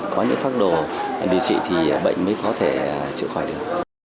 có những pháp đồ điều trị thì bệnh mới có thể chữa khỏi được